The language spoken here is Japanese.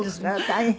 大変。